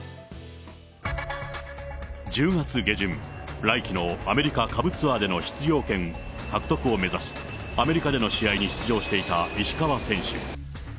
１０月下旬、来季のアメリカ下部ツアーでの出場権獲得を目指し、アメリカでの試合に出場していた石川選手。